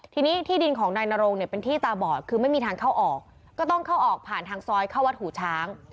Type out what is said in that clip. ทีนี้ที่ดินของนายนโรงเนี่ยเป็นที่ตาบอดคือไม่มีทางเข้าออกก็ต้องเข้าออกผ่านทางซอยเข้าวัดหูช้าง